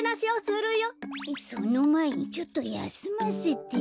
そのまえにちょっとやすませて。